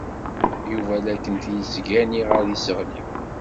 Yuba la kent-yettgani ɣer yiseɣli.